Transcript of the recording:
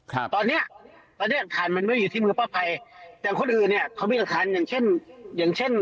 ตอนนี้อักษรมันไม่อยู่ที่มือป้าพัยแต่คนอื่นเนี่ยเขามีอักษรอย่างเช่นลูกจ้าง